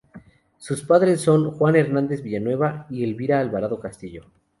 Sus padres son Juan Hernández Villanueva y Elvira Alvarado Castillo.